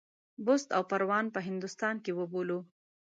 بُست او پروان په هندوستان کې وبولو.